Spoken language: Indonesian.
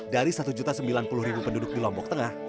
dari satu sembilan puluh penduduk di lombok tengah